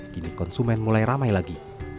kini konsumen mulai ramai lagi